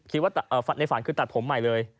คิดว่าในฝันคือตัดผมใหม่เลย